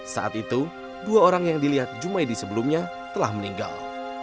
saat itu dua orang yang dilihat jumaidi sebelumnya telah meninggal